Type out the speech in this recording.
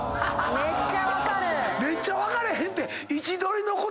めっちゃ分かれへんって。